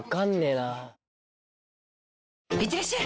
いってらっしゃい！